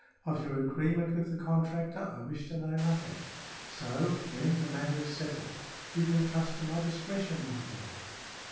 Of your agreement with the contractor I wish to know nothing; so, then, the matter is settled. You can trust to my discretion, my lord."